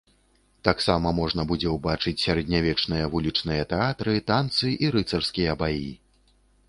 Таксама можна будзе убачыць сярэднявечныя вулічныя тэатры, танцы і рыцарскія баі.